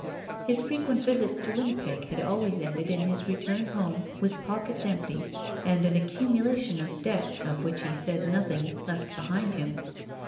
His frequent visits to Winnipeg had always ended in his return home with pockets empty, and an accumulation of debts, of which he said nothing, left behind him.